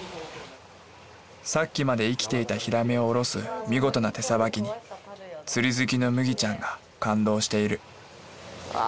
さっきまで生きていたヒラメをおろす見事な手さばきに釣り好きの麦ちゃんが感動しているうわ！